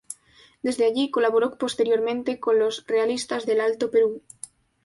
Desde allí colaboró posteriormente con los realistas del Alto Perú.